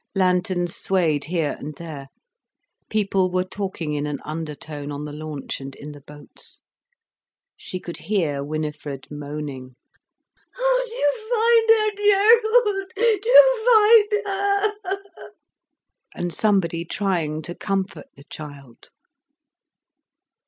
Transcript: Lanterns swayed here and there, people were talking in an undertone on the launch and in the boats. She could hear Winifred moaning: "Oh do find her Gerald, do find her," and someone trying to comfort the child.